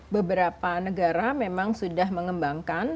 beberapa negara memang sudah mengembangkan